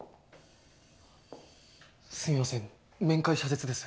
すいません面会謝絶です